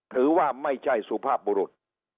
ถือว่าไม่ใช่สุภาพบุรุษ